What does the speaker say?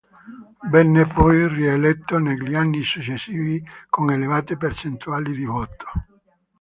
Venne poi rieletto negli anni successivi con elevate percentuali di voto.